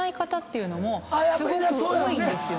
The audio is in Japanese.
すごく多いんですよね。